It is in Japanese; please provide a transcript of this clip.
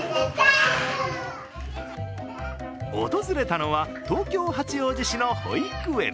訪れたのは、東京・八王子市の保育園。